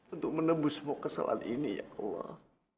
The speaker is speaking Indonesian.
untuk menembus semua kesalahan ini ya allah